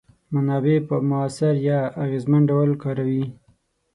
منابع په موثر یا اغیزمن ډول کاروي.